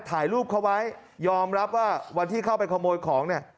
ถ่ายรูปเขาไว้ยอมรับว่าวันที่เข้าไปขโมยของเนี่ย